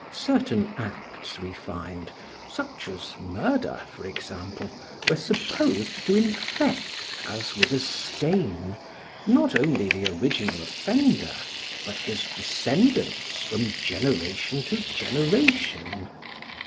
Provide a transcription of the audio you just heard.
Certain acts we find, such as murder, for example, were supposed to infect as with a stain not only the original offender but his descendants from generation to generation.